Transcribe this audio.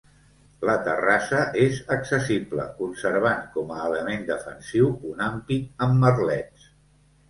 La terrassa és accessible, conservant com a element defensiu un ampit amb merlets.